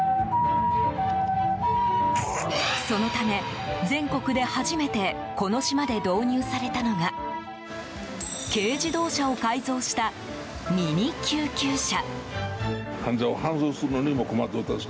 そのため、全国で初めてこの島で導入されたのが軽自動車を改造したミニ救急車。